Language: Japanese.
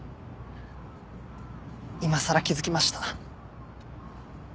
今さら気づきました。